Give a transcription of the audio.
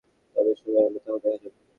তবে সময় এলে তখন দেখা যাবে।